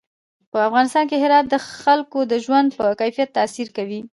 په افغانستان کې هرات د خلکو د ژوند په کیفیت تاثیر کوي.